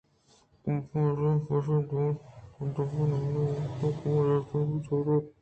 کاف ءَایشی ءِ پسو نہ دات بلئے دومی مردک کہ کموک حجالتیءَبے توار اَت